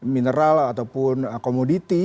mineral ataupun komoditi